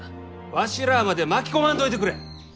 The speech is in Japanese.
わしらまで巻き込まんといてくれ！